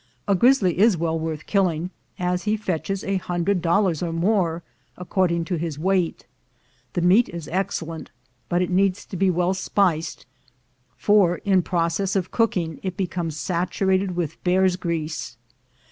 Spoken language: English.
A grizzly is well worth killing, as he fetches a hundred dollars or more, according to his weight. The meat is excellent, but it needs to be well spiced, for in proc ess of cooking it becomes saturated with bear's grease.